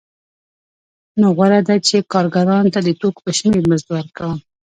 نو غوره ده چې کارګرانو ته د توکو په شمېر مزد ورکړم